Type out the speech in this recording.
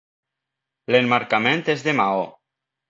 L'emmarcament és de maó.